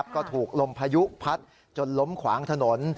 ก็ถูกลมพายุพัดจนล้มขวางถนน